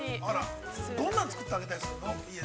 ◆どんなの作ってあげたりするの。